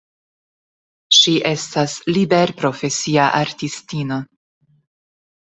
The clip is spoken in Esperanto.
Ŝi estas liberprofesia artistino.